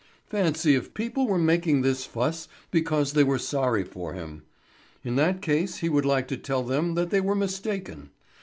Fancy if people were making this fuss because they were sorry for him! In that case he would like to tell them that they were mistaken.